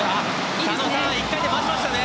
佐野さん、１回で終わりましたね。